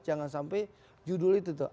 jangan sampai judul itu tuh